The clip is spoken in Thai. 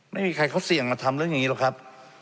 ไม่มีใครเขาเสี่ยงมาทำเรื่องอย่างนี้หรอกครับ